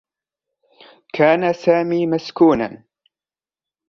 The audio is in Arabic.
كان سامي مسكونا.